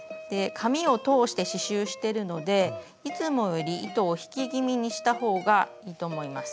紙を通して刺しゅうしてるのでいつもより糸を引き気味にしたほうがいいと思います。